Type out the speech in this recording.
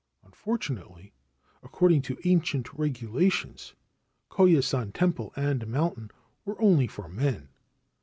Unfortunately, according to ancient regulations, Koya San temple and mountain were only for men.